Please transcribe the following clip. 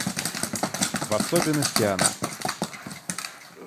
В особенности она...